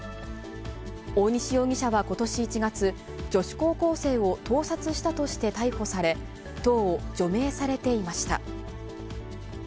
大西容疑者はことし１月、女子高校生を盗撮したとして逮捕され、党を除名されていました。